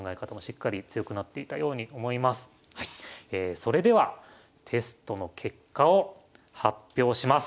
それではテストの結果を発表します。